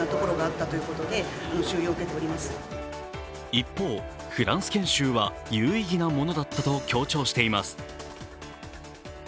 一方、フランス研修は有意義なものだったと強調しています。